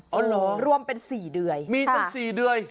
อ๋อเหรอรวมเป็น๔เดือยมีจน๔เดือย